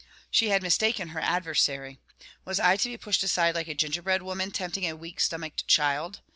She had mistaken her adversary. Was I to be pushed aside, like a gingerbread woman tempting a weak stomached child?